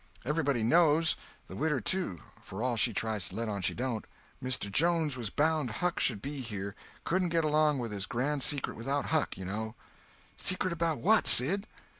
Everybody knows—the widow, too, for all she tries to let on she don't. Mr. Jones was bound Huck should be here—couldn't get along with his grand secret without Huck, you know!" "Secret about what, Sid?"